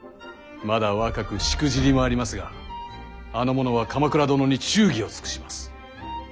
まだ若くしくじりもありますがあの者は鎌倉殿に忠義を尽くします。